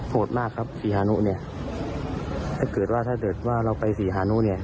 โหดมากครับสีฮานุเนี่ยถ้าเกิดว่าเราไปสีฮานุเนี่ย